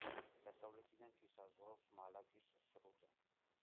დასავლეთიდან კი საზღვრავს მალაკის სრუტე.